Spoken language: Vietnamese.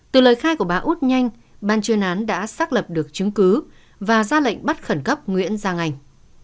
từ lời khai của bà út nhanh ban chuyên án đã xác lập được chứng cứ và ra lệnh bắt khẩn cấp nguyễn giang anh